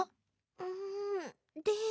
うんでも。